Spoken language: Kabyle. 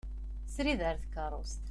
Srid ɣer tkerrust.